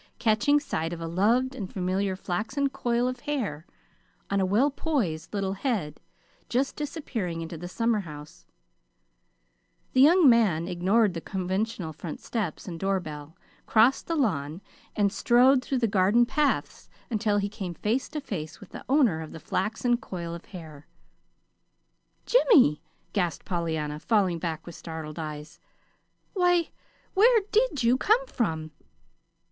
Catching sight of a loved and familiar flaxen coil of hair on a well poised little head just disappearing into the summerhouse, the young man ignored the conventional front steps and doorbell, crossed the lawn, and strode through the garden paths until he came face to face with the owner of the flaxen coil of hair. "Jimmy!" gasped Pollyanna, falling back with startled eyes. "Why, where did you come from?"